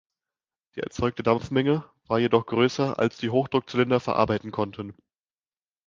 Die erzeugte Dampfmenge war jedoch größer als die Hochdruckzylinder verarbeiten konnten.